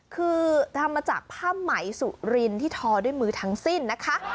คือทำมาจากผ้าไหมสุรินที่ทอด้วยมือทั้งสิ้นนะคะ